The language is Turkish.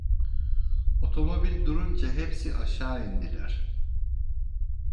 Otomobil durunca hepsi aşağı indiler.